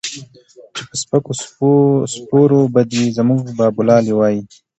چې پۀ سپکو سپورو به دے زمونږ بابولالې وائي